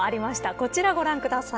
こちら、ご覧ください。